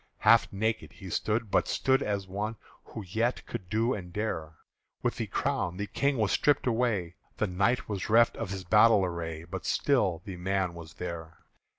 Half naked he stood, but stood as one Who yet could do and dare; With the crown, the King was stript away The Knight was reft of his battle array But still the Man was there.